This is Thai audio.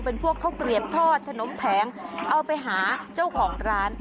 เป็นพวกข้าวเกลียบทอดขนมแผงเอาไปหาเจ้าของร้าน